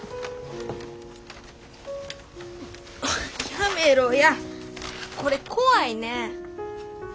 やめろやこれ怖いねん。